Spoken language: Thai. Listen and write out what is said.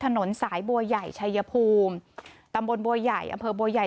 ถนนสายบัวใหญ่ชายภูมิตำบลบัวใหญ่อำเภอบัวใหญ่